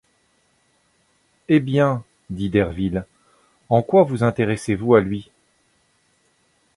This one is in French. Eh! bien? dit Derville, en quoi vous intéressez vous à lui ?